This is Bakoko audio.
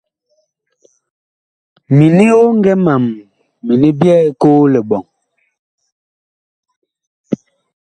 Mini oŋgɛ mam mini nga byɛɛ koo liɓɔŋ.